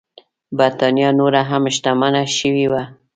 برېټانیا نوره هم شتمنه شوې وه.